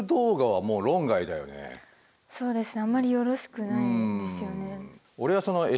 そうですね。